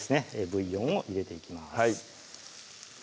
ブイヨンを入れていきます